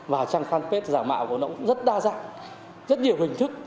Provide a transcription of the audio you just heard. và trang fanpage giả mạo của nó cũng rất đa dạng rất nhiều hình thức